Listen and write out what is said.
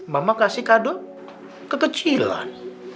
mama kasih kado kekecilan